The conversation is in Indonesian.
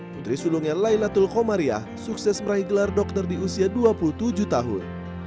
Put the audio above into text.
putri sulungnya laylatul komariah sukses meraih gelar dokter di usia dua puluh tujuh tahun